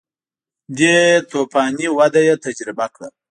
دې توفاني وده یې تجربه کړه